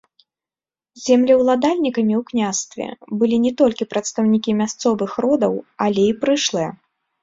Землеўладальнікамі ў княстве былі не толькі прадстаўнікі мясцовых родаў, але і прышлыя.